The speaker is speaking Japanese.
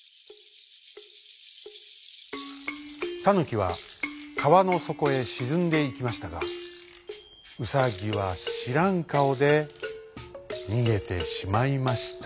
タヌキはかわのそこへしずんでいきましたがウサギはしらんかおでにげてしまいましたとさ。